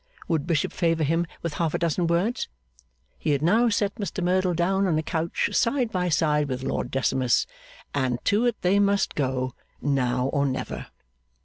Would Bishop favour him with half a dozen words? (He had now set Mr Merdle down on a couch, side by side with Lord Decimus, and to it they must go, now or never.)